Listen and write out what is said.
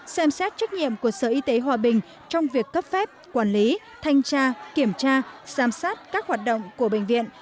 xem xét trách nhiệm của sở y tế hòa bình trong việc cấp phép quản lý thanh tra kiểm tra giám sát các hoạt động của bệnh viện